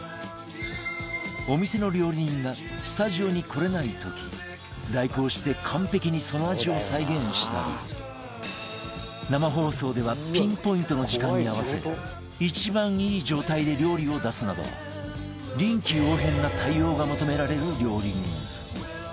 お店の料理人がスタジオに来れない時代行して完璧にその味を再現したり生放送ではピンポイントの時間に合わせて一番いい状態で料理を出すなど臨機応変な対応が求められる料理人